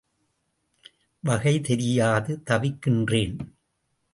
வகை தெரியாது தவிக்கின்றேன்.